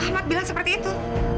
ahmad bilang seperti itu